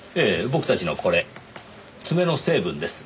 僕たちのこれ爪の成分です。